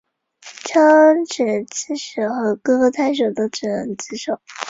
交址刺史和各个太守只能自守。